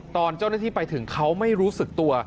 ตอนเจ้าหน้าที่ไปถึงเขาไม่รู้สึกตัว